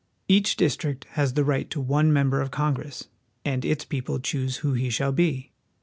Each district has the right to one mem s ber of Congress, and its people choose who he shall be.